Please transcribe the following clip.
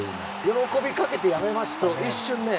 喜びかけてやめましたね。